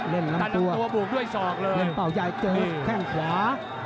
เล่นลำตัวตัดลำตัวบูบด้วยสองเลยเล่นเปล่าใหญ่เจอแข้งขวา